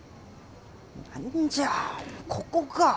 何じゃあここか。